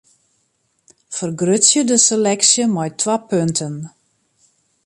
Fergrutsje de seleksje mei twa punten.